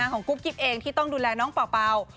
กุ๊บกิ๊บเองที่ต้องดูแลน้องเป่า